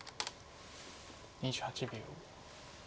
２８秒。